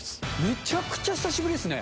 めちゃくちゃ久しぶりですね。